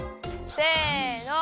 せの。